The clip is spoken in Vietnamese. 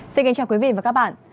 xin kính chào quý vị và các bạn